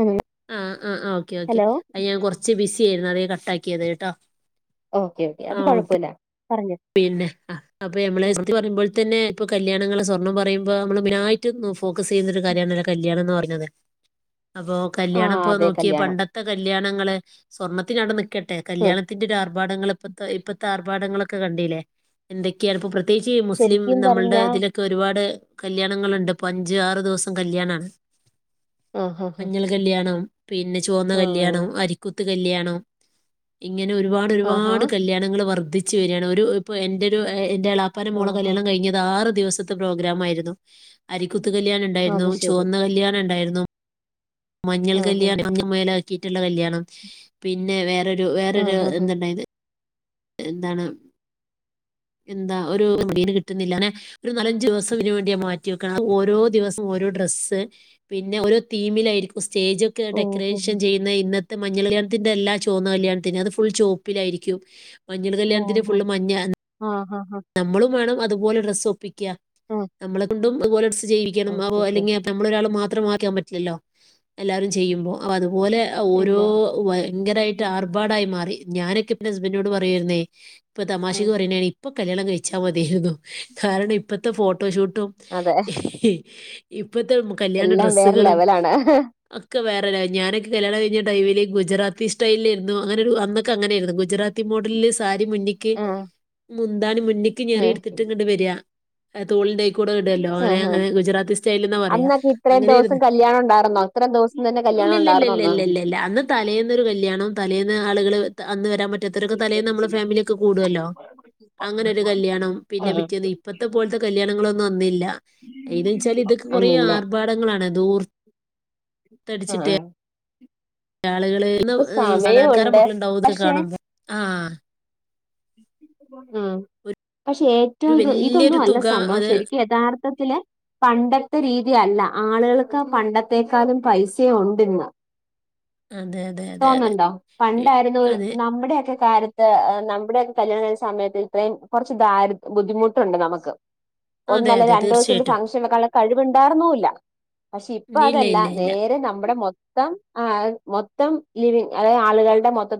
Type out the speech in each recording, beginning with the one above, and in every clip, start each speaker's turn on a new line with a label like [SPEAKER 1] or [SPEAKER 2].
[SPEAKER 1] ഉം
[SPEAKER 2] ആഹ ആ ഓക്കെ ഓക്കെ
[SPEAKER 1] ഹലോ
[SPEAKER 2] അ ഞാൻ കുറച്ച് ബിസി ആയിരുന്നു അതെ കട്ടാക്കി കെതേട്ട
[SPEAKER 1] ഓക്കെ ഓക്കേ അത് കൊഴപ്പില്ല
[SPEAKER 2] പിന്നെ ആ അപ്പൊ ഞമ്മളെ സുൽഫി പറയുമ്പോൾ തന്നെ ഇപ്പൊ കല്യാണങ്ങളെ സ്വർണ്ണം പറയുമ്പോ നമ്മള് മെനായിട്ടും ഫോക്കസ് ചെയ്യുന്നരു കാര്യണല്ലോ കല്യാണം എന്ന് പറഞ്ഞത് അപ്പൊ കല്യാണം
[SPEAKER 1] ആഹ് അതെ
[SPEAKER 2] ഇപ്പോനോക്കിയ
[SPEAKER 1] കല്യാണം
[SPEAKER 2] പണ്ടത്തെ കല് കല്യാണങ്ങള് സ്വർണ്ണത്തിനാണ് മിക് കേട്ടെ
[SPEAKER 1] ഉം
[SPEAKER 2] കല്യാണത്തിറ്റൊരു അർ ആർഭാടൾ ഇപ്പത്തെ ഇപ്പത്തെ ആർഭാടങ്ങളൾക്കെ കണ്ടല്ലേ എന്തൊക്കെയാണ് ഇപ്പൊ പ്രത്യേകിച്ച് ഈ മുസ്ലിം
[SPEAKER 1] ശരിക്കും
[SPEAKER 2] നമ്മളുടെ
[SPEAKER 1] പറഞ്ഞാ
[SPEAKER 2] ഇതിലൊക്കെ ഒരുപാട് കല്യാണങ്ങളുണ്ട് ഇപ്പൊ അഞ്ചു ആറ് ദിവസം കല്യാണാണ്
[SPEAKER 1] ആഹ് ആഹ്
[SPEAKER 2] മഞ്ഞൾ കല്യാണം പിന്നെ ചുവന്ന
[SPEAKER 1] ആഹ്
[SPEAKER 2] കല്യാണം അരിക്കു ത് കല്യാണം ഇങ്ങനെ ഒരുപാട്
[SPEAKER 1] ആഹാ
[SPEAKER 2] ഒരുപാട് കല്യാണങ്ങൾ വർഗി ശെരിയാണ് ഒരു ഇപ്പൊ എന്റെ ഒരു ഏ ളപ്പനമോള
[SPEAKER 1] ആഹാ
[SPEAKER 2] കല്യാണം കഴഞ്ഞത് ആറ് ദിവസത്തെ പ്രോഗ്രമ് ആയിരുന്നു അരികു ത്തത്ത് കല്യാണ ഉണ്ടായിരുന്നു
[SPEAKER 1] അത് ശരി
[SPEAKER 2] ചുവന്ന കല്യാണ ഉണ്ടായിരുന്നു ന മഞ്ഞൾ
[SPEAKER 1] ആഹ്
[SPEAKER 2] കല്യാണ മേല കിയിട്ടുള്ള കല്യാണം പിന്നെ വേറെ വേറൊരു
[SPEAKER 1] ആഹ് ആഹ്
[SPEAKER 2] എന്തിണ്ടായത് എന്താണ് എന്താ ഒരു മീന് കിട്ടുന്നില്ല അ ഒരു നാലഞ്ചു ദിവസംന് വേണ്ടിയ മാറ്റി വെക്കണം ഓരോ ദിവസം ഓരോ ഡ്രസ്സ് പിന്നെ ഓരോ തീമിലായിരിക്കും സ്റ്റേജ ഒക്കെ
[SPEAKER 1] ഓഹോ
[SPEAKER 2] ഡെക്കറേഷൻ ചെയ്യുന്ന ഇന്നത്തെ മ മഞ്ഞൾ കല്യാണത്തിന്റെ എല്ലാ ചുവന്ന കല്യാണത്തിന് അത് ഫുൾ ചുവപ്പിലായിരിക്കും മഞ്ഞൾ കല്യാണത്തി
[SPEAKER 1] ഓഹോ
[SPEAKER 2] ഫുള് മഞ്ഞ
[SPEAKER 1] ആഹ് ആഹ്
[SPEAKER 2] നമ്മള അതുപലെ സോപ്പിക്ക
[SPEAKER 1] ആഹ്
[SPEAKER 2] നമ്മളെ ല ഈൗ അഹ് ജീവിക്കണം
[SPEAKER 1] ഓക്കെ ഓക്കെ
[SPEAKER 2] അല്ലെങ്കിൽ നമ്മൾ ഒരാൾ മാത്രം മാത്രമാക്കാൻ പറ്റില്ലല്ലോ എല്ലാരും ചെയ്യുമ്പോ അ അത തുപോലെ
[SPEAKER 1] ഇല്ല
[SPEAKER 2] ഓരോ ഭയങ്കരമായിട്ട്
[SPEAKER 1] ഉം
[SPEAKER 2] ആർഭാടായി മാറി ഞാനൊക്കെ ഹസ്ബന്റിനോട് പറയരുന്നേ ഇപ്പൊ
[SPEAKER 1] ഉം.
[SPEAKER 2] തമാശക്ക് പറയുന്ന ഇച്ചാൽതിയരുന്നു കാരണം ഇപ്പഴത്തെ ഫോട്ടോ ഫോട്ടോഷൂട്ടും
[SPEAKER 1] അതെ
[SPEAKER 2] ഏഹ്ഹ് ഇപ്പോഴത്തെ കല്യാണ
[SPEAKER 1] എല്ലാം വേറെ
[SPEAKER 2] ഡ്രെസ്സുകളും
[SPEAKER 1] ലെവലാണ്
[SPEAKER 2] വേറ ഞാനൊക്കെ കല്യാണം കഴിഞ്ഞ ടൈമില് ഗുറാത്തി സ്റ്റൈലിൽ ആരുന്നു അങ്ങനെ ഒരുൊക്കെ അങ്ങൊയിരുന്നു ഗുജറാത്തി മോഡലിൽ സാരി അടി മണ്ടിക്ക്
[SPEAKER 1] ആഹ്
[SPEAKER 2] മുന്താണി മുന്നിക്ക് ഞെറി
[SPEAKER 1] ഉം
[SPEAKER 2] എടുത്തിട്ടും ഇങ്ങ് വരിക തോളിന്റെയ്ക്ക കൂടെ ഇടല്ലോ അങ്ങനെ
[SPEAKER 1] ആഹ് ആഹ്
[SPEAKER 2] അങ്ങനെ ഗുജറാത്തി സ്റ്റൈല എന്നാ പറയാ
[SPEAKER 1] അന്നൊക്കെ ഇത്രയും ദിവസം
[SPEAKER 2] അങ്ങനെയരുന്നു
[SPEAKER 1] കല്യാണം ഉണ്ടായിരുന്നോ ഇത്രയും ദിവസം തന്നെ കല്യാണം
[SPEAKER 2] ഇല്ലല്ല ഇല്ല
[SPEAKER 1] ഉണ്ടായിരുന്നോ
[SPEAKER 2] ഇല്ല ഇല്ല ഇല്ല ഇല്ല അന്ന് തലേന്നൊരു കല്യാണംോ തലേ ആളുകൾ അന്ന് വരാൻറ്റും മറ്റത്തൊക്കെലയും നമ്മള ഫാമിലി ഒെ കൂടുുവല്ലോ അങ്ങനെ ഒരു കല്യാണം
[SPEAKER 1] ആ
[SPEAKER 2] പിന്നെ പിറ്റേന്ന് ഇപ്പത്തെ പോലത്തെ കല്യാണങ്ങളൊന്നും അന്നില്ല എങ്ങനെ വെച്ചാല് ഇതൊക്കെ കൊറേ
[SPEAKER 1] അന്നില്ല ആ ആ
[SPEAKER 2] ആർഭാടങ്ങളാണ്ത്ൂർത്തടിച്ചിട്ട് ആളുകളള്ന്ന്
[SPEAKER 1] ഇപ്പൊ
[SPEAKER 2] സാധാരണക്കാര
[SPEAKER 1] സമയമുണ്ട്
[SPEAKER 2] മക്കളുണ്ടാവുംതൊക്കെ കാണുമ്പോ ആഹ
[SPEAKER 1] ആഹ പക്ഷെ
[SPEAKER 2] ഒരു
[SPEAKER 1] ഏറ്റവും ഇത്
[SPEAKER 2] വലിയൊരു
[SPEAKER 1] ഇതൊന്നും അല്ല
[SPEAKER 2] തുക
[SPEAKER 1] സംഭവം
[SPEAKER 2] അത്
[SPEAKER 1] ശരിക്കും യഥാർത്ഥത്തില് പണ്ടത്തെ രീതി യല്ല ആളുകൾക്ക് പണ്ടത്തെേക്കാളും പൈസ ഉണ്ട്ന്ന്
[SPEAKER 2] അതെ അതെ അതെ അതെ
[SPEAKER 1] തോന്നണ്ടോ
[SPEAKER 2] എ-
[SPEAKER 1] പണ്ടായിരുന്നു
[SPEAKER 2] അതെ
[SPEAKER 1] നമ്മുടെൊക്കെ കത്ത് ഇവിടെയക്ക കല്യാണം കഴിഞ്ഞ് സമയത്ത് ഇത്രയും കുറച്ച് ദാരിദ് ബുദ്ധിമുട്ടുണ്ട് നമുക്ക്
[SPEAKER 2] അതെ
[SPEAKER 1] ഒന്നല്ല
[SPEAKER 2] അതെ
[SPEAKER 1] രണ്ടു ദിവസം
[SPEAKER 2] തീർച്ചയായിട്ടും.
[SPEAKER 1] ഫംഗ്ഷൻ ഒക്കെ കഴിവുണ്ടായിർന്നല്ല പക്ഷെ ഇപ്പ
[SPEAKER 2] ഇല്ല
[SPEAKER 1] അതല്ല
[SPEAKER 2] ഇല്ല ഇല്ല
[SPEAKER 1] നേരെ നമ്മുടെ മൊത്തം മൊത്തം മൊത്തം ലിവിംഗ് അതായത് ആളുകളുടെ മൊത്ത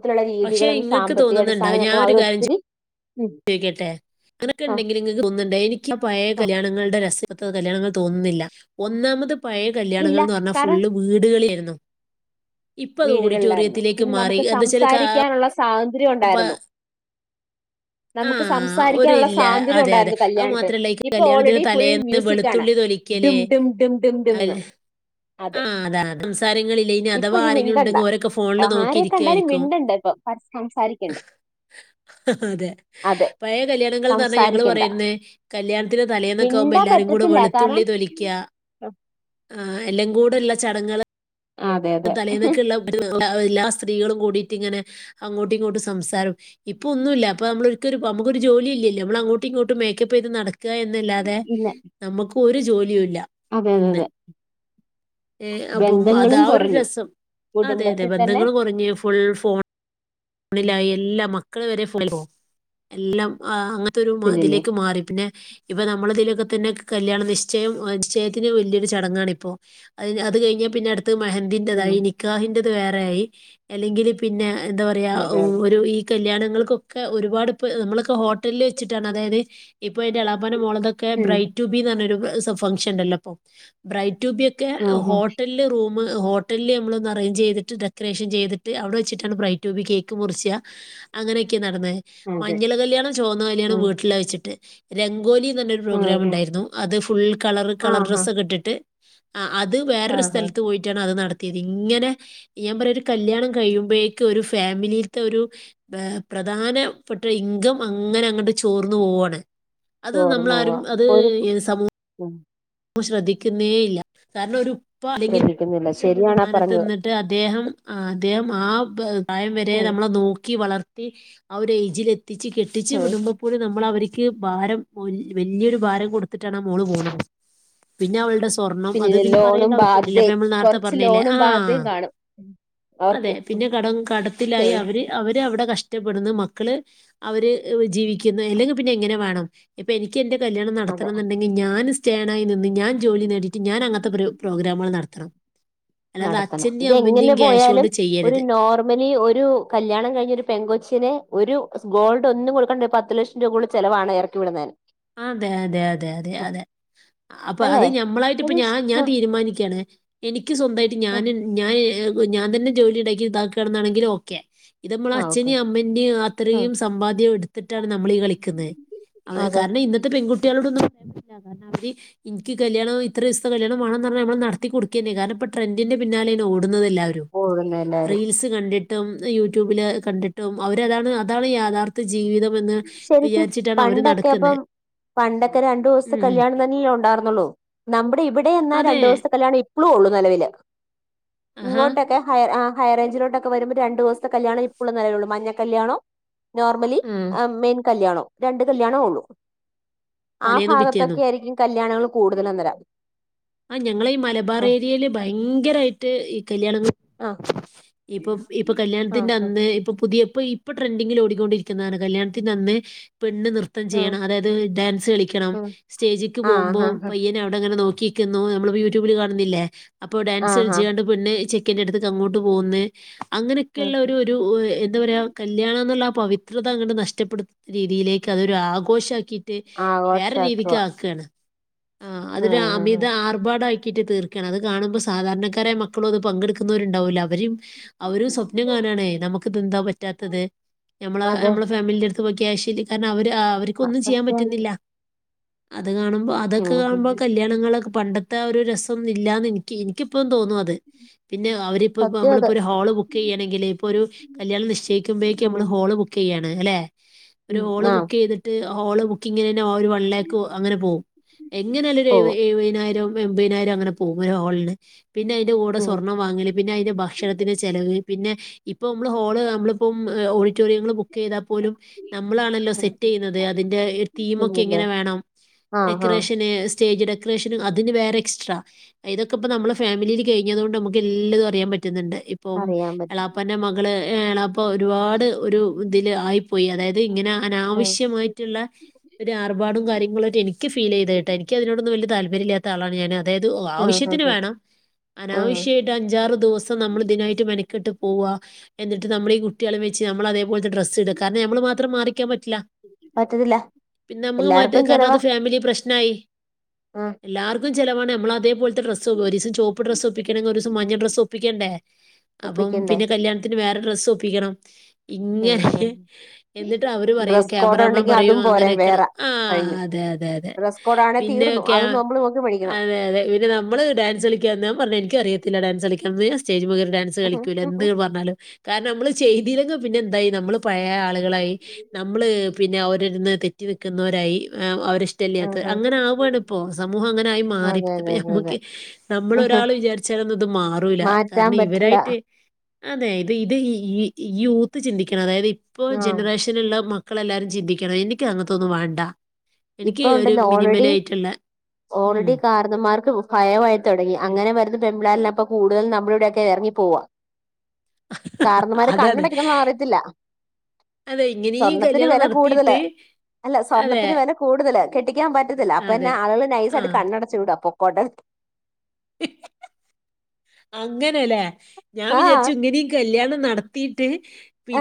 [SPEAKER 2] പക്ഷെ
[SPEAKER 1] രീതികളും
[SPEAKER 2] ഇങ്ങക്ക്
[SPEAKER 1] സാമ്പത്തിക
[SPEAKER 2] തോന്നുന്നുണ്ടോ
[SPEAKER 1] അടിസ്ഥാന
[SPEAKER 2] ഞാൻ ഒരു
[SPEAKER 1] അവ
[SPEAKER 2] കാര്യം
[SPEAKER 1] [unintelligible]
[SPEAKER 2] ചോദിക്കട്ടെ ഇങ്ങനൊക്കെണ്ടെങ്കിലും ഇങ്ങക്ക് തോന്ന്ന്ന്ണ്ടോ എനിക്കാ പഴേ
[SPEAKER 1] ആ
[SPEAKER 2] കല്യാണങ്ങളുടെ രസെ- ഇപ്പത്തെ കല്യാണങ്ങള് തോന്ന്ന്നില്ല ഒന്നാമത് പ് പയേ
[SPEAKER 1] ഇല്ല
[SPEAKER 2] കല്യാണങ്ങള്ന്ന് പറഞ്ഞാ
[SPEAKER 1] കാരണം
[SPEAKER 2] ഫുള്ള് വീട്കളിലേര്ന്നു. [inaudible]
[SPEAKER 1] വീടുകളിലാര്ന്നു പിന്നെ നമ്മക്ക്
[SPEAKER 2] വെച്ചാൽ
[SPEAKER 1] സംസാരിക്കാനുള്ള സ്വാത് ഉണ്ടായിര്ന്നു.
[SPEAKER 2] ആ
[SPEAKER 1] നമുക്ക്
[SPEAKER 2] ഒരു
[SPEAKER 1] സംസാരിക്കാനുള്ള
[SPEAKER 2] ഇല്ല
[SPEAKER 1] സ്വാതന്ത്ര്യം
[SPEAKER 2] അതെ അതെ
[SPEAKER 1] ഉണ്ടായിരുന്നു
[SPEAKER 2] അത്
[SPEAKER 1] കല്യാണത്ത്ന്
[SPEAKER 2] മാത്രല്ല ഈ
[SPEAKER 1] ഇപ്പൊ
[SPEAKER 2] കല്യാണത്തിന്
[SPEAKER 1] ഓൾറെഡി ഫുൾ
[SPEAKER 2] തലേന്ന്
[SPEAKER 1] മ്യൂസിക്കാണ്
[SPEAKER 2] വെളുത്തുള്ളി തൊലിക്കല്
[SPEAKER 1] ഡും ഡും ഡും ഡും ഡും
[SPEAKER 2] അൽ-
[SPEAKER 1] ന്ന്
[SPEAKER 2] ആ
[SPEAKER 1] അതെ
[SPEAKER 2] അതാ സംസാരങ്ങളില്ല ഇനി അഥവാ
[SPEAKER 1] ഇപ്പൊ മിണ്ടണ്ട
[SPEAKER 2] [unintelligible] ഓരൊക്കെ ഫോണില്
[SPEAKER 1] ആരെ കണ്ടാലും
[SPEAKER 2] നോക്കിരിക്കായിരിക്കും.
[SPEAKER 1] മിണ്ടണ്ട ഇപ്പൊ പ- സംസാരിക്കണ്ട
[SPEAKER 2] അതെ
[SPEAKER 1] അതെ
[SPEAKER 2] പഴയ കല്യാണങ്ങൾ ന്ന് പറഞ്ഞാ ഞങ്ങള്
[SPEAKER 1] സംസാരിക്കണ്ട
[SPEAKER 2] പറയേര്ന്നേ കല്യാണത്തിന്റെ തലേന്നൊക്കെ ആവുമ്പോ
[SPEAKER 1] മിണ്ടാൻ
[SPEAKER 2] എല്ലാരും കൂടെ
[SPEAKER 1] പറ്റത്തില്ല
[SPEAKER 2] വെള്ത്തുള്ളി
[SPEAKER 1] കാരണം
[SPEAKER 2] തൊലിക്ക്യ ആ എല്ലം കൂടെള്ള ചടങ്ങേള്
[SPEAKER 1] അതെ അതെ
[SPEAKER 2] തലേന്നക്ക്ള്ള [unintelligible] എല്ലാ സ്ത്രീകളും കൂടീറ്റ് ങ്ങനെ അങ്ങോട്ടു ങ്ങോട്ടും സംസാരം ഇപ്പൊ ഒന്നൂല്ല ഇപ്പ നമ്മള് നമ്മക്കൊര് ജോലില്ലല്ലോ നമ്മളങ്ങോട്ടും ഇങ്ങോട്ടും മേക്കപ്പ് ചെയ്ത് നട ക്കാ എന്നല്ലാതെ
[SPEAKER 1] ഇല്ല
[SPEAKER 2] നമ്മക്ക് ഒര് ജോലി
[SPEAKER 1] അതെ അതെ അതെ
[SPEAKER 2] ഏഹ് അപ്പം
[SPEAKER 1] ബന്ധങ്ങളും
[SPEAKER 2] അതാ
[SPEAKER 1] കൊറ
[SPEAKER 2] ഒരു രസം അതെ അതെ ബന്ധങ്ങൾ കുറഞ്ഞ് ഫുൾ ഫോൺ
[SPEAKER 1] ഉം.
[SPEAKER 2] തണിലായ എല്ലാ മക്ക് മ വരെ എല്ലാം ത്തൊരു
[SPEAKER 1] പിന്നില്ലേ
[SPEAKER 2] അതിലേക്ക് മാറി പിന്നെ ഇപ്പൊ നമ്മളതിലെക്കെ തന്നെ കല്യാണ നിശ്ചയം നിശ്ചയത്തിന് വല്ല്യൊരു ചടങ്ങാണ് ഇപ്പോ അ അത് കഴിഞ്ഞാൽ പിന്നെ അട് ത്തത്
[SPEAKER 1] ഉം
[SPEAKER 2] മഹന്തിന്റതായി നിക്കാഹിന്റെത് ത് വേറായി അല്ലെങ്കിൽ പിന്നെ എന്താ അ
[SPEAKER 1] അതെ അതെ
[SPEAKER 2] ഒരു ഈ കല്യാണങ്ങൾക്കൊക്കെ ഒരുപാട് ഇപ്പോ നമ്മളൊക്കെ ഹോട്ടലിൽ വെച്ച്ട്ടാണ് അതായത് ഇപ്പൊ ന്റെഎളാപ എളാപ്പാന്റെ മോളതൊക്കെ
[SPEAKER 1] ഉം
[SPEAKER 2] ബ്രെയ്റ്റുബിന്ന് പറഞ്ഞൊരു ഫങ്ങ്ഷണ്ടല്ലപ്പൊ ബ്രൈറ്റ് റ്റു ബി ഒക്കെ
[SPEAKER 1] ആഹാ
[SPEAKER 2] ഹോട്ടലില് റൂമ് നമ്മ് ഹോട്ടലില് നമ്മള് ഒന്ന് അറേഞ്ച് ചെയ്ത്ട്ട് ഡെക്കറേഷൻ ചെയ്തിട്ട് അവടെ വച്ച്ട്ടാണ് ബ്രൈറ്റ് റ്റു ബി കേക്ക് മുറിച്ചാ അങ്ങനെക്കെ നടന്നത്
[SPEAKER 1] അതെ
[SPEAKER 2] മഞ്ഞള കല്യാണം ചോന്ന കല്യാണം
[SPEAKER 1] ഉം
[SPEAKER 2] വീട്ടില് വെച്ച്ട്ട് രംഗോലി എന്നൊരു
[SPEAKER 1] ആഹാ
[SPEAKER 2] പ്രോഗ്രാമുണ്ടായിരുന്നു അത് ഫുൾകളർ കളർ
[SPEAKER 1] ആഹാ
[SPEAKER 2] ഡ്രസ്സെക്കിട്ടിട്ട്- ആഹ് അത്
[SPEAKER 1] ആഹാ
[SPEAKER 2] വേറൊരുസ്ഥലത്ത് പോയിറ്റാണ് അത് നടത്ത- തിരിങ്ങനെ ഞാപറയാ ഒരു കല്യാണം കഴിയുമ്പേക്കും ഒരുഫാ- ഫാമിലിത്തെ ഒരു പ്രധാനപ്പെട്ട ഒരു ഇൻകം അങ്ങനെ അങ്ങട്ട് ചോർന്ന് പോവാണ് അത്
[SPEAKER 1] ചോർന്നു പോവാ
[SPEAKER 2] നമ്മളാരും അത്
[SPEAKER 1] ഇപ്പൊ ഒരു
[SPEAKER 2] ഏത് സമൂഹ-
[SPEAKER 1] ഉം
[SPEAKER 2] ശ്രദ്ധിക്കുന്നേ ഇല്ല കാർണൊരു ഇപ്പൊ അല്ലെങ്കിൽ
[SPEAKER 1] ശ്രദ്ധിക്കുന്നില്ല ശരിയാണാ പറഞ്ഞത്
[SPEAKER 2] സ്ഥാനത്തിന്നിട്ട് അദ്ദേഹം- ആഹ് അദ്ദേഹം ആ- പ്രായംവരെ
[SPEAKER 1] ഉം
[SPEAKER 2] നമ്മളെ നോക്കി വളർ- ത്തി ആ ഒരു ഏജിലെത്തി - ത്തിച്ച് കെട്ടിച്ച്
[SPEAKER 1] ഉം
[SPEAKER 2] വിടുമ്പപ്പോലും നമ്മള് വരി- ക്ക് ഭാരം വല് വല്ലിയ ഒരു ഭാരം കൊടുത്തിട്ടാണ് ആ മോള് പോണത് പിന്നെ അവൾടെ സ് സ്വർണം അത്
[SPEAKER 1] പിന്നില്ലേ
[SPEAKER 2] പിന്നെ
[SPEAKER 1] ലോണും
[SPEAKER 2] പറയണ്ടാവിശ്യല്ല അപ്പ
[SPEAKER 1] ബാധ്യയും
[SPEAKER 2] ഞമ്മള് നേരത്തെ
[SPEAKER 1] കൊറച്ച്
[SPEAKER 2] പറഞ്ഞീല്ലേ
[SPEAKER 1] ലോണും
[SPEAKER 2] ആഹ്
[SPEAKER 1] ബാധ്യയും കാണും
[SPEAKER 2] അതെ
[SPEAKER 1] അവർക്ക്
[SPEAKER 2] പിന്നെ കടം കടത്തിലായി അവര്
[SPEAKER 1] സേവിങ്സ്
[SPEAKER 2] അവരവിടെ കഷ് ഷ്ടപ്പെടുന്നു മക്കള് അവര് ജീവിക്കുന്ന് എല്ലെങ്കി പിന്നെ എങ്ങനെ വേണം ഇപ്പൊ എനി ക്കെന്റെ കല്യാണം
[SPEAKER 1] അതെ
[SPEAKER 2] നടത്തണന്നണ്ടെങ്കി ഞാന് സ് സ്റ്റേണായി നിന്നി ഞാൻ ജോലി നേടീട്ട് ഞാൻ അങ്ങനത്തെ പരു പ്രോഗ്രാമുകൾ നടത്തണം അല്ലാതെ
[SPEAKER 1] നടത്തണം
[SPEAKER 2] അച്ഛന്റെയും അമ്മന്റെയും
[SPEAKER 1] ഇതെങ്ങെനെ
[SPEAKER 2] ക്യാഷ് കൊണ്ട്
[SPEAKER 1] പോയാലും ഒരു
[SPEAKER 2] ചെയ്യരുത്
[SPEAKER 1] നോർമലി ഒരു കല്യാണം കഴിഞ്ഞൊരു പെങ്കൊച്ചിനെ ഒരു ഗോൾഡ് ഒന്നും കൊടുക്കാണ്ടൊരു പത്ത് ലക്ഷം രൂപുള്ള ചെലവാണ് എറക്കി വിടുന്നേ
[SPEAKER 2] അതെ അതെ അതെ അതെ അതെ അപ്പം അത്
[SPEAKER 1] അല്ലേ
[SPEAKER 2] ഞമ്മളായിട്ടിപ്പ ഞാ ഞാൻ
[SPEAKER 1] ആ
[SPEAKER 2] തീരുമാനിക്കാന്ന് എനി ക്ക് സ്വന്തായിട്ട് ഞാന് ഞാൻ ഞാൻ തന്നെ ജോലിയിണ്ടാക്കി ഇതാക്കാണനാണെങ്കിൽ ഓക്കെ ഇതമ്മള്
[SPEAKER 1] ആ ഓക്കെ
[SPEAKER 2] അച്ഛനേം അമ്മന്റെം
[SPEAKER 1] ആ
[SPEAKER 2] അത്രയും സമ്പാദ്യം എട്- ട്ടാ- നമ്മളി കളിക്കുന്നെ അത്
[SPEAKER 1] അതെ
[SPEAKER 2] കാരണം ഇന്നത്തെ പെങ്കുട്ട്യോളോടൊന്നും ങ്‌ ഇൻകി കല്യാണം ഇത്രീസത്തെ കല്യാണം വാണന്നർഞ്ഞ നമ്മള് നടത്തിക്കൊടുക്കന്നെ കാരണം ഇപ്പ ട്രെൻറ്റിന്റെ പിന്നാലേ ഓട് ടുന്നതെല്ലാരു
[SPEAKER 1] കൂടുന്നു എല്ലാരും
[SPEAKER 2] റീൽസ് കണ്ടി ടും യൂട്യൂബില് കണ്ടിട്ടും അവരതാണ് അതാണ് യാഥാർത്ഥ്യ ജീവിതം വുന്ന് വിചാരിച്ചിട്ടാണ് അവര് നട-
[SPEAKER 1] യപം പണ്ടൊക്കെ രണ്ടൂസ്ത്ത
[SPEAKER 2] ഉം
[SPEAKER 1] കല്യാണം തന്നെയുണ്ടാർന്നൊള്ളൂ ന്നമ്പ്ടെ ഇവിടെ എന്നാ
[SPEAKER 2] അതെ
[SPEAKER 1] രണ്ടൂസ്ഥകല്യാണം ഇപ്പ്ളുഒള്ളു ന്നെലവില്
[SPEAKER 2] ആഹാ
[SPEAKER 1] ഇങ്ങോട്ടൊക്കെ ഹയർ ആ ഹൈറേഞ്ചിലോട്ടൊക്കെ വരുമ്പോ രണ്ടൂസ്ഥകല്യാണ ഇപ്പളും നിലവിലൊള്ളൂ മഞ്ഞ കല്യാണോം നോർ ആ മെൻ കല്യാണോ രണ്ട് കല്യാണമ ഉള്ളൂ ആ
[SPEAKER 2] തലേന്നും
[SPEAKER 1] ഫാഗത്തൊക്കെ
[SPEAKER 2] പിറ്റേന്നും
[SPEAKER 1] യായിരിക്കും കല്യാണങ്ങള് കൂട്തല ഇന്നലെ
[SPEAKER 2] ആ ഞങ്ങളെ ഈ മലബാറേര്യേല് ഭയങ്കരായ്ട്ട് ഇകല്യാണങ്ങളും
[SPEAKER 1] ആ
[SPEAKER 2] ഇപ്പൊ ഇപ്പൊ
[SPEAKER 1] ആ
[SPEAKER 2] കല്യാണത്തിന്റെ അന്ന് ഇപ്പൊ പുതിയ ഇപ്പൊ ഇപ്പൊ ട്രെൻഡിങ്ങിലോ ടിക്കൊണ്ടിരിക്കുന്നാണ് കല്യാണത്തിന്റെന്ന് പെണ്ണ് നൃത്തം
[SPEAKER 1] ആ
[SPEAKER 2] ചെയ്യണം അതായത് ഡാൻസ് കളിക്കണം സ്റ്റേജ്ക്ക്
[SPEAKER 1] ആ
[SPEAKER 2] പോമ്പോ
[SPEAKER 1] ആ
[SPEAKER 2] പയ്യനഅവട്ങ്ങനെ നോക്കി ക്കുന്നു നമ്മള യൂട്യൂബിൽ കാണുന്നില്ലേ അപ്പൊ ഡാൻസ്
[SPEAKER 1] ആ
[SPEAKER 2] കളിച്ച്ങ്ങാണ്ട് പെണ്ണ് ചെ ടിക്കറ്റ് എടുത്ത് അങ്ങോട്ട് പോകുന്നേ അങ്ങനെയൊക്കെയുള്ള ഒരു ഒരു എന്താ പറയാ കല്യാണ എന്നുള്ള പവിത്രത അങ്ങ്ണ്ട് നഷ്ട്ടപ്പെടുത്തു രീതിയിലേക്ക് അതൊരു ആഘോഷാക്കി വേറൊരു
[SPEAKER 1] ആഘോഷാക്കുവാ
[SPEAKER 2] രീതിക്കാക്കേണ് ആ
[SPEAKER 1] ഉം
[SPEAKER 2] അതിലൊരു അമി
[SPEAKER 1] ഉം ഉം.
[SPEAKER 2] ബാടാക്കിയ്ട്ട് തീർക്കേണ് അത് കാണുമ്പോ സാധാരണക്കാരായ മക്കളും അത് പങ്കെടുക്കുന്നോരുണ്ടാവുല്ലെ അവരേം അവുര് സ്വപ്നം കാണേണേ നമക്ക്തിന്താൻ പറ്റാത്തത് നമ്മളെ
[SPEAKER 1] അതെ
[SPEAKER 2] നമ്മള ഫാമിലിന്റെര് [unintelligible] ക്കയാശ കാരണം അവര് ആ അവര്ക്കൊന്നും ചെയ്യാൻ
[SPEAKER 1] സത്യാണ്
[SPEAKER 2] പറ്റുന്നില്ല ത് കാണുമ്പോ അതൊക്കെ
[SPEAKER 1] ഉം ഉം.
[SPEAKER 2] കാണുമ്പോകല്യാണങ്ങളക്ക പണ്ടത്തെ ആ ഒരു രസംന്നില്ലാന്നെനിക്ക് എനിക്കിപ്പഴും തോന്നും അത് പിന്നെ അവരി ഇപ്പോ
[SPEAKER 1] സത്യം
[SPEAKER 2] നമ്മള
[SPEAKER 1] അത്
[SPEAKER 2] ഇപ്പോൾ ഒരു ഹോള് ബുക്ക് ചെയ്യണെങ്കിൽ ഇപ്പോൾ ഒരു കല്യാണം നിശ്ചക്കുമ്പോഴേക്ക്
[SPEAKER 1] ഉം
[SPEAKER 2] നമ്മള് ഹോള് ബുക്ക് ചെയ്യയാണ് അല്ലെ ഒരു
[SPEAKER 1] ഉം.
[SPEAKER 2] ഹോള്
[SPEAKER 1] ആ
[SPEAKER 2] ബുക്കെയ്ത്ട്ട് ഹോള് ബുക്കിങ്ങിനനെ ഒരു വൺ ലാക്ക് അങ്ങനെ പോവും എങ്ങനെയാലും ഒര് എഴ് വ
[SPEAKER 1] പോകും
[SPEAKER 2] എഴ് വയ് [unintelligible] എമ്പയ്നായിരം അങ്ങന പോവെ ഹോൾന് പിന്നയ്ന്റെ കൂടെ
[SPEAKER 1] ഉം
[SPEAKER 2] സ്വർണ്ണം വാങ്ങല് പിന്നയ്ന്റെ ഭക്ഷണത്തിന് ചെലവ് പിന്നെ ഇപ്പൊ നമ്മള് ഹോള് നമ്മള ഇപ്പ ഓഡിറ്റോറിയങ്ങൾ ബുക്ക് ചെയ്താ ലും നമ്മളാണല്ലോ സെറ്റ് ചെയ്യുന്നത് അതിന്റെ തീമൊക്കെ
[SPEAKER 1] ല്ലേ
[SPEAKER 2] എങ്ങനെ വേണം
[SPEAKER 1] ആ ആ
[SPEAKER 2] ഡെക്കറേഷന് സ്റ്റേജ് ഡെക്കറേഷന് അതിന് വേറെ എസ്ട്രാ ഇതൊക്ക്‌പ്പന്നമ്മള ഫാമിലീല് കയ്ഞ്ഞതോണ്ട് ന്നമക്കെല്ലതും അറിയാൻ പറ്റും പറ്റുന്നുണ്ട് ഇപ്പം
[SPEAKER 1] അറിയാൻ പറ്റും
[SPEAKER 2] എളാപ്പാന്റെ മകള് ഏണ ഇപ്പോ ഒരുപാട് ഒരു തില് ആയി പോയി അതായത് ഇങ്ങനെ
[SPEAKER 1] ഉം
[SPEAKER 2] അനാവശ്യമായിട്ടുള്ള ഒരു ആർഭാടും കാര്യങ്ങളും ആയ്ട്ട് എനിക്ക് ഫീലെയ്തേട്ടോ എനിക്ക് അതിനോടൊന്നും വല്യ താല്പര്യം പര്യല്ലാത്ത ആളാണ് ഞാന് അതായത്
[SPEAKER 1] ആ ആ
[SPEAKER 2] ആവശ്യത്തിന് വേണം
[SPEAKER 1] ആ ആ
[SPEAKER 2] അനാവശ്യമായിട്ട് അഞ്ചാറ് ദിവസം നമ്മൾ ഇതിനായിട്ട് മെന ക്കെട്ട് പോവ എന്നിട്ട് നമ്മളീ കുട്ട്യാളീം വച്ച് നമ്മളതേപോലത്തെ ഡ്രസ്സ് ഇടുക കാരണം നമ്മള് മാത്രം മാറിക്കാൻ പറ്റ
[SPEAKER 1] പറ്റത്തില്ല എല്ലാർക്കും ചെലവാ
[SPEAKER 2] നായി
[SPEAKER 1] ആഹ്
[SPEAKER 2] എല്ലാർക്കും ചിലവാണ് നമ്മളതേപോലെ സ് ഒരീസം ചോപ്പ് ഡ്രസ്സ് ഒപ്പിക്കണെങ്കി ഒരൂസം മഞ്ഞ ഡ്രസ്സ് ഒപ്പിക്കേണ്ടേ അപ്പം
[SPEAKER 1] ഒപ്പിക്കണ്ടേ
[SPEAKER 2] പിന്നെ കല്യാണത്തിന് വേറെ സ്സ്‌ ഒപ്പിക്കണം
[SPEAKER 1] ഉം
[SPEAKER 2] ഇങ്ങനെ
[SPEAKER 1] ഉം
[SPEAKER 2] എന്നിട്ട് അവര് പറയും
[SPEAKER 1] ഡ്രസ് കോഡ്
[SPEAKER 2] ക്യാമറമാൻ
[SPEAKER 1] ഉണ്ടെങ്കി
[SPEAKER 2] പറയും
[SPEAKER 1] അതും പോരെ
[SPEAKER 2] അങ്ങനെക്കണം
[SPEAKER 1] വേറെ
[SPEAKER 2] ആ
[SPEAKER 1] കഴിഞ്ഞു
[SPEAKER 2] അതെ അതെ അതെ
[SPEAKER 1] ഡ്രസ് കോഡ് ആണെ
[SPEAKER 2] പിന്നെ
[SPEAKER 1] തീർന്നു
[SPEAKER 2] ക്യാ
[SPEAKER 1] അത് നമ്മള് നോക്കി മേടിക്കണം
[SPEAKER 2] അതെ അതെ പിന്നെ നമ്മള് ഡാൻസ് കളിക്കാ ഞാൻ പറഞ്ഞ് എനിക്കറിയത്തില്ല ഡാൻസ് കളിക്കാൻ സ്റ്റേജ്മ്മെ കേ ഡാൻസ് കളിക്കൂല
[SPEAKER 1] ഉം
[SPEAKER 2] എന്ത് പറഞ്ഞാലും കാരണം നമ്മള് ചെയ്തില്ലെങ്കിൽ പിന്നെ എന്തായി നമ്മള് പഴയ ആളുകളായി നമ്മള് പിന്നെ അവരിരുന്ന് തെറ്റി നിൽക്കുന്നവരായി അവര ഇഷടല്ലാത്ത
[SPEAKER 1] ഉം
[SPEAKER 2] അങ്ങനെ ആവാണ്പ്പോ സമൂഹം അങ്ങനെ ആയി മാറി
[SPEAKER 1] അതെ
[SPEAKER 2] പ്പ
[SPEAKER 1] അതെ അതെ അതെ
[SPEAKER 2] ഞമ്മക്ക് നമ്മൾ ഒരാൾ വിചാരിച്ചാലൊന്നുംത് മാറൂല
[SPEAKER 1] മാറ്റാൻ
[SPEAKER 2] കാരണം
[SPEAKER 1] പറ്റില്ല
[SPEAKER 2] ഇവരായിട്ട് അതെ ഇത് ഇത് ഈ യൂത്ത് ചിന്തിക്കണം അതായത് ഇപ്പോ
[SPEAKER 1] ആഹ്
[SPEAKER 2] ജനറേഷനുള്ള മ മക്കളെല്ലാരും ചിന്തിക്കണം എനിക്ക് അങ്ങനത്തൊന്നും വേണ്ട എനിക്ക്
[SPEAKER 1] ഇപ്പൊ
[SPEAKER 2] ഒരു
[SPEAKER 1] ഉണ്ടല്ലോ ഓൾറെഡി
[SPEAKER 2] മിനിമലായ്ട്ടുള്ള
[SPEAKER 1] ഓൾറെഡി കാരണന്മാർക്ക് ഭയമായി തുടങ്ങി അങ്ങനെ വരുന്ന പെമ്പിള്ള പ്പോകൂടുതൽ നമ്മളിവിടെയൊക്കെ ഇറങ്ങി പോവാ കാരണന്മാര്
[SPEAKER 2] അതാണ്.
[SPEAKER 1] കണ്ണടക്കണ നമ്മള് അറിയത്തില്ല
[SPEAKER 2] അതെ ഇങ്ങനെ ഈ
[SPEAKER 1] സ്വർണത്തിന്
[SPEAKER 2] കല്യാണം
[SPEAKER 1] വില
[SPEAKER 2] നടത്തിയിട്ട്
[SPEAKER 1] കൂടുതല് അല്ല
[SPEAKER 2] അതെ
[SPEAKER 1] സ്വർണത്തിന് വില കൂടുതല് കെട്ടിക്കാൻ പറ്റത്തില്ല
[SPEAKER 2] അതെ
[SPEAKER 1] അപ്പൊന്നാ ആളുകള്
[SPEAKER 2] ആ
[SPEAKER 1] നൈസായിട്ട് കണ്ണടച്ചു വിടും അപ്പൊ കൊട
[SPEAKER 2] അങ്ങനെലേ ഞാ
[SPEAKER 1] ആ
[SPEAKER 2] വിചാര്ച്ചു ഇങ്ങനീം കല്യാണം. നടത്തിയിട്ട്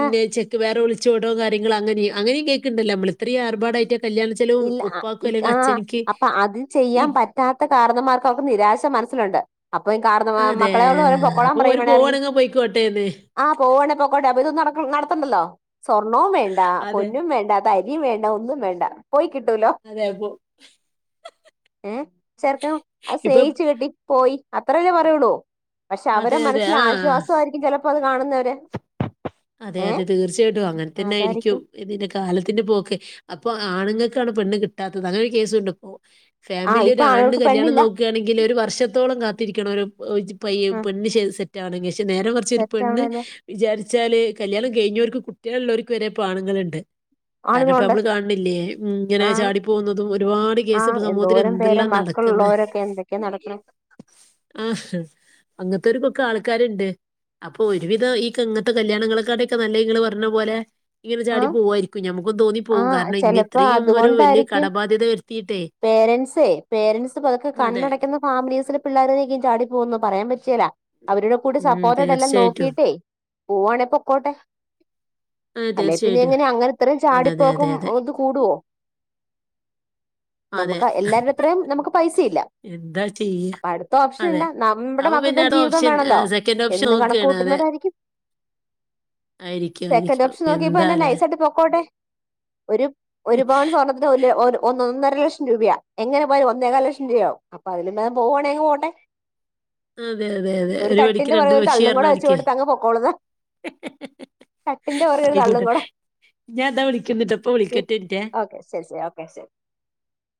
[SPEAKER 1] ആ,
[SPEAKER 2] ചെക്ക് വേറെ ഒളി ച്ചോടോ കാര്യങ്ങള് അങ്ങനെയും അങ്ങനിം കേക്ക്ണ്ടല്ലോ മ്മള് ഇത്രയും ആർഭാടായിട്ട് കല്യാണ ചെലവും
[SPEAKER 1] ഇല്ല അ
[SPEAKER 2] ഉപ്പാക്കും അല്ലെങ്കിൽ
[SPEAKER 1] ആഹ്
[SPEAKER 2] അച്ഛനിക്ക്
[SPEAKER 1] അപ്പ അത്
[SPEAKER 2] ഈ
[SPEAKER 1] ചെയ്യാൻ പറ്റാത്ത കാരണമാർക്ക് അവർക്ക് നിരാശ മനസ്സിലുണ്ട് അപ്പ കാരണം
[SPEAKER 2] അതെ
[SPEAKER 1] മക്കളോട് പറയും പൊക്കോളാൻ
[SPEAKER 2] അപ്പൊ
[SPEAKER 1] പറയ
[SPEAKER 2] ഒരു
[SPEAKER 1] വേണേ എറങ്ങി
[SPEAKER 2] പോവാണെങ്കിൽ പോയിക്കോട്ടെ എന്ന്
[SPEAKER 1] ആഹ് പോവണെ പൊക്കോണ്ടേ അപ്പ ഇതൊന്നും നടത്തണ്ടല്ലോ സ്വർണോം വേണ്ട
[SPEAKER 2] അതെ
[SPEAKER 1] പൊന്നും വേണ്ട ത [unintelligible] വേണ്ട ഒന്നും വേണ്ട പോയി കിട്ടൂലോ
[SPEAKER 2] അതെ അപ്പൊ
[SPEAKER 1] ഏഹ് ചെറക്കൻ അത്
[SPEAKER 2] ഇപ്പൊ
[SPEAKER 1] സ്നേഹിച്ച് കെട്ടി പോയി അത്രല്ലെ പറയുള്ളൂ പക്ഷെ അവരെ
[SPEAKER 2] അതെ അതെ
[SPEAKER 1] മനസ്സിൽ
[SPEAKER 2] ആ
[SPEAKER 1] ആശ്വാസവായിരിക്കും ചെലപ്പത് കാണുന്നവരെ
[SPEAKER 2] അതെ അതെ തീർച്ചയായിട്ടും അങ്ങനെ തന്നെ ആയിരിക്കും
[SPEAKER 1] അതായിരിക്കും
[SPEAKER 2] ഇതിന്റെ കാലത്തിന്റെ പോക്കെ അപ്പൊ ആണുങ്ങൾക്കാണ് പെണ്ണ് കിട്ടാത്തത് അങ്ങനെ ഒരു കേസുണ്ട് ഇപ്പോ
[SPEAKER 1] ആ
[SPEAKER 2] ഫാമിലി ഒരു
[SPEAKER 1] ഇപ്പൊ
[SPEAKER 2] ആണിന്
[SPEAKER 1] ആളുകൾക്ക് പെണ്ണില്ല
[SPEAKER 2] കല്യാണം നോക്കുകയാണെങ്കില് ഒരു വർഷത്തോളം കാ രിക്കണ ഒരു പയ്യെ
[SPEAKER 1] ആ
[SPEAKER 2] പെണ്ണ് സെറ്റ് ആണെങ്കി പക്ഷെ നേരമറിച്ചൊരു പെണ്ണ്
[SPEAKER 1] തെറ്റാണല്ലേ
[SPEAKER 2] വിചാരി ച്ചാല് കല്യാണം കഴിഞ്ഞവർക്ക് കുട്ട്യാള് ഉള്ളവർക്ക് വരെ ഇപ്പാണുങ്ങളുണ്ട് കാരണം ഇപ്പൊ
[SPEAKER 1] ആണുങ്ങളുണ്ട്
[SPEAKER 2] നമ്മള് കാണണില്ലേ ഇങ്ങനെ
[SPEAKER 1] ആ
[SPEAKER 2] ചാടിപ്പോകുന്നതും ഒരുപാട്
[SPEAKER 1] ആ
[SPEAKER 2] കേസ് ഇപ്പ സമൂഹത്തിൽ
[SPEAKER 1] എന്തോരം പേരാ
[SPEAKER 2] എന്തെല്ലാം നടക്കുന്ന,
[SPEAKER 1] മക്കളുള്ളവരൊക്കെ എന്തൊക്കെയാ നടക്കണം
[SPEAKER 2] ആഹ അങ്ങത്തോര്ക്കൊക്കെ ആൾക്കാരുണ്ട് അപ്പൊ ഒരുവിധം ഈ കങ്ങ കല്യാണങ്ങളെക്കാട്ടൊക്കെ നല്ലത് ഇങ്ങള് പറഞ്ഞ പോലെ ഇങ്ങനെ ചാടി
[SPEAKER 1] ആഹ്
[SPEAKER 2] പോവായിരിക്കും ഞമ്മക്കും
[SPEAKER 1] ആ
[SPEAKER 2] തോന്നിപ്പോവും കാരണം ഇങ്ങ
[SPEAKER 1] ചെലപ്പോ
[SPEAKER 2] ഇത്രയും ഒരു വലിയ
[SPEAKER 1] അതുകൊണ്ടായിരിക്കും
[SPEAKER 2] കടബാധ്യത വരുത്തിയിട്ടേ
[SPEAKER 1] പേരൻറ്സേ പേരൻസ് പതുക്കെ
[SPEAKER 2] അതെ
[SPEAKER 1] കണ്ണടക്കുന്ന ഫാമിലീസില് പിള്ളേരനേക്കും ചാടി പോകുന്നു പറയാൻ പറ്റിയേല അവരുടെ കൂടെ
[SPEAKER 2] ഉം
[SPEAKER 1] സപ്പോർറ്റായിട്ടെ എല്ലാം
[SPEAKER 2] തീർച്ചയായിട്ടും
[SPEAKER 1] നോക്കിട്ടേ- പോവാണെ പൊക്കോട്ടെ
[SPEAKER 2] അതെ
[SPEAKER 1] അല്ലെ പിന്നെ
[SPEAKER 2] തീർച്ചയായിട്ടും
[SPEAKER 1] എങ്ങനെ അങ്ങനെ ഇത്രയും
[SPEAKER 2] അതെ അതെ അതെ
[SPEAKER 1] ചാടിപ്പോക്കും
[SPEAKER 2] അതെ
[SPEAKER 1] ഒത് കൂടുവോ
[SPEAKER 2] അതെ
[SPEAKER 1] നമുക്ക് എല്ലാവരുടെ അത്രയും നമുക്ക് പൈസയില്ല,
[SPEAKER 2] എന്താ ചെയ്യ
[SPEAKER 1] അപ്പൊ അടുത്ത ഓപ്ഷൻ
[SPEAKER 2] അതെ
[SPEAKER 1] ഇന്ന നമ്മുടെ
[SPEAKER 2] അപ്പൊ പിന്നെ
[SPEAKER 1] മക്കൾക്കും
[SPEAKER 2] അവിടെ
[SPEAKER 1] ജീവിതം
[SPEAKER 2] ഓപ്ഷൻ
[SPEAKER 1] വേണല്ലോ
[SPEAKER 2] ആഹ് സെക്കൻഡ് ഓപ്ഷൻ
[SPEAKER 1] എന്ന് കണക്ക്
[SPEAKER 2] നോക്കുകയാണ് അതെ
[SPEAKER 1] കൂട്ടുന്നവരായിരിക്കും.
[SPEAKER 2] ആയിരിക്കും
[SPEAKER 1] സെക്കൻഡ്
[SPEAKER 2] ആയിരിക്കും
[SPEAKER 1] ഓപ്ഷൻ നോക്കിയപ്പം എന്നെ
[SPEAKER 2] എന്താല്ലേ
[SPEAKER 1] നൈസായിട്ട് നോക്കും പോട്ടെ ഒരു ഒരുപാട് സ്വർണത്തിന്ല് ഒര് ഒന്ന് ഒന്ന് ഒരു ലക്ഷം രൂപയാ എങ്ങനെ പോയാലും ഒന്നേകാൽ ലക്ഷം രൂപയാകും അപ്പൊ അതിന് പോവുവാണെ അങ്ങ് പോട്ടെ
[SPEAKER 2] അതെ അതെ അതെ ഒരു വെടിക്ക്
[SPEAKER 1] തട്ടിന്റെ
[SPEAKER 2] രണ്ട്
[SPEAKER 1] പുറകെ ഒരു
[SPEAKER 2] പക്ഷി
[SPEAKER 1] തള്ളും
[SPEAKER 2] എറിഞ്ഞ
[SPEAKER 1] കൂടെ വെച്ച്
[SPEAKER 2] വഴിക്ക്
[SPEAKER 1] കൊടുത്ത് അങ്ങ് പൊക്കോളുന്ന തട്ടിന്റെ പുറകെ ഒരു തള്ളും
[SPEAKER 2] ആയിക്കോട്ടെ,
[SPEAKER 1] കൂടെ
[SPEAKER 2] ഞാൻ ദാ വിളിക്കുന്നട്ട ഇപ്പൊ
[SPEAKER 1] ശരി
[SPEAKER 2] വിളിക്കട്ടെറ്റ
[SPEAKER 1] ഓക്കെ ശരി ശരി ഓക്കെ ശരി